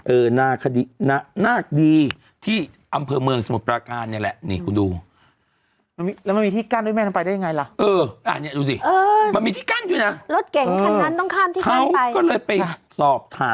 เออน่าดีที่อำเภอเมืองสมุดประการเนี่ยแหละ